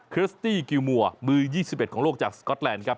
สตี้กิลมัวมือ๒๑ของโลกจากสก๊อตแลนด์ครับ